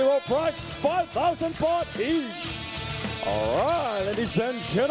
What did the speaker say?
ต่อไปหัวหน้าที่จัดรวมช่อง